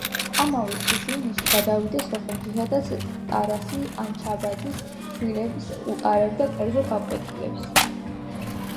ამავე წლის ივნისში გადავიდა სოხუმში, სადაც ტარასი ანჩაბაძის შვილებს უტარებდა კერძო გაკვეთილებს.